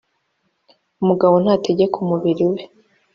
umugabo ntategeka umubiri we